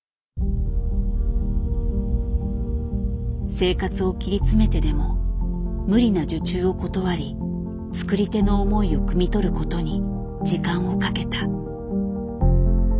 生活を切り詰めてでも無理な受注を断り作り手の思いをくみ取ることに時間をかけた。